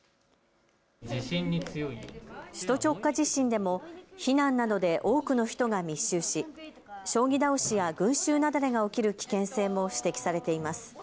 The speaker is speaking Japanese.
首都直下地震でも避難などで多くの人が密集し将棋倒しや群集雪崩が起きる危険性も指摘されています。